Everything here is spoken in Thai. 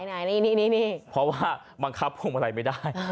ไหนนี่พอว่าบังคับว่าอะไรไม่ได้